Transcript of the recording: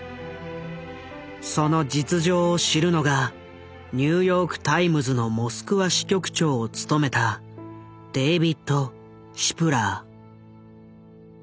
その実情を知るのがニューヨーク・タイムズのモスクワ支局長を務めたデービッド・シプラー。